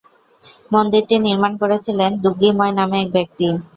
মন্দিরটি নির্মাণ করেছিলেন দুগ্গিময় নামে এক ব্যক্তি।